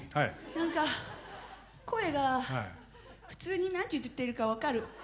何か声が普通に何て言ってるか分かる。